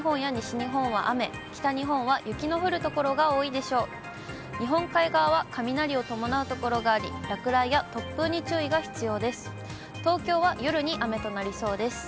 日本海側が雷を伴う所があり、落雷や突風に注意が必要です。